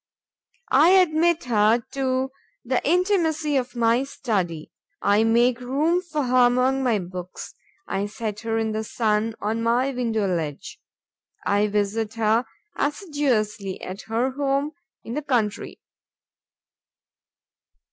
I admit her to the intimacy of my study, I make room for her among my books, I set her in the sun on my window ledge, I visit her assiduously at her home, in the country.